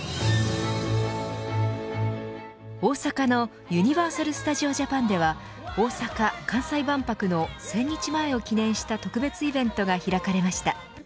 大阪のユニバーサル・スタジオ・ジャパンでは大阪・関西万博の１０００日前を記念した特別イベントが開かれました。